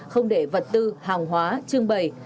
không để vật tư hàng hóa trưng bày